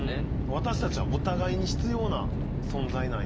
私たちはお互いに必要な存在なんやっていう。